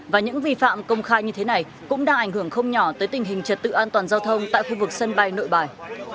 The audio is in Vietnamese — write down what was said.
và những vi phạm công khai như thế này cũng đã ảnh hưởng không nhỏ tới tình hình trật tự an toàn giao thông tại khu vực sân bay nội bài